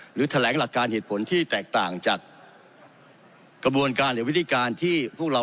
หรือแถลงหลักการเหตุผลที่แตกต่างจากกระบวนการหรือวิธีการที่พวกเรา